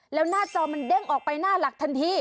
แล้วหน้าจอมันเด้งออกไปหน้าหลักทันที